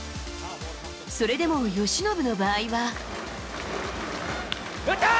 それでも由伸の場合は。